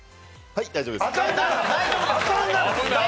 はい、大丈夫です。